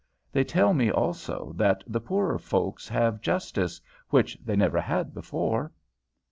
They tell me, also, that the poorer folks have justice, which they never had before."